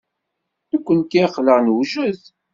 Nekkenti aql-aɣ newjed?